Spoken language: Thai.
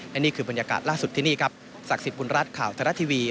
และนี่คือบรรยากาศล่าสุดที่นี่ครับศักดิ์สิทธิบุญรัฐข่าวทรัฐทีวี